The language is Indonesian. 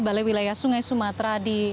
balai wilayah sungai sumatera di